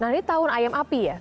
nah ini tahun ayam api ya